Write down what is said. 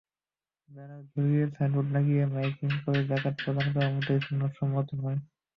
Banner ঝুলিয়ে, signboard লাগিয়ে, miking করে জাকাত প্রদান করা মোটেই সুন্নতসম্মত নয়।